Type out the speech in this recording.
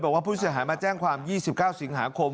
บอกว่าผู้เสียหายมาแจ้งความ๒๙สิงหาคม